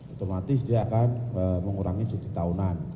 otomatis dia akan mengurangi cuti tahunan